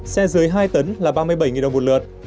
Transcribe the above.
xe dưới hai tấn là ba mươi bảy đồng một lượt